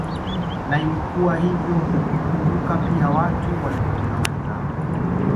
Na ilikuwa hivyo kumbuka pia watu walipoteza mali zao